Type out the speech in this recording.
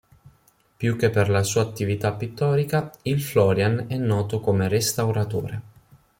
Più che per la sua attività pittorica, il Florian è noto come restauratore.